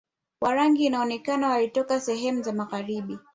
Warangi inaonekana walitoka sehemu za magharibi